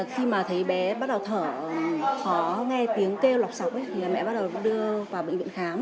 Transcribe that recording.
khi mà thấy bé bắt đầu thở khó nghe tiếng kêu lọc sọc thì mẹ bắt đầu đưa vào bệnh viện khám